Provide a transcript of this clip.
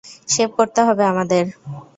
Shave করতে হবে আমাদের?